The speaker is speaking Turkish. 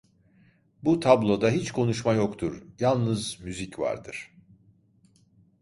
Bu tabloda hiç konuşma yoktur yalnız müzik vardır.